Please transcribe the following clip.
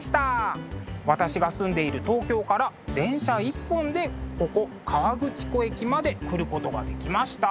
私が住んでいる東京から電車１本でここ河口湖駅まで来ることができました。